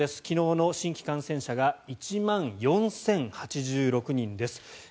昨日の新規感染者が１万４０８６人です。